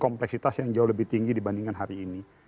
kompleksitas yang jauh lebih tinggi dibandingkan hari ini